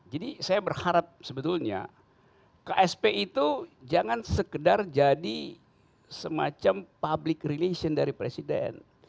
jadi saya berharap sebetulnya ksp itu jangan sekedar jadi semacam public relation dari presiden